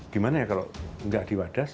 gimana ya kalau nggak di wadas